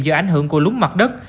do ảnh hưởng của lúng mặt đất